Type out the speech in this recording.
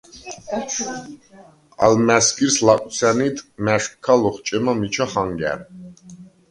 ალმა̈სგირს ლაკვცა̈ნიდ მა̈შკქა ლოხჭემა მიჩა ხანგა̈რ.